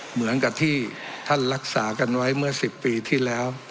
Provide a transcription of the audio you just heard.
เหมือนกับที่ท่านรักษากันไว้เมื่อ๑๐ปีที่แล้ว